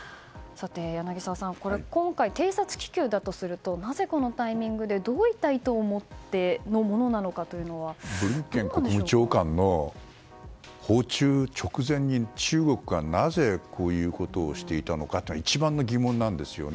柳澤さん、今回偵察気球だとするとなぜ、このタイミングでどういった意図を持ってのブリンケン国務長官の訪中直前に中国がなぜこういうことをしていたのかが一番の疑問なんですよね。